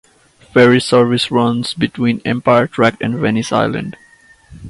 Ferry service runs between Empire Tract and Venice Island.